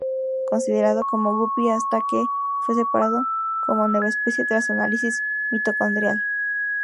Considerado como guppy hasta que fue separado como nueva especie tras análisis mitocondrial.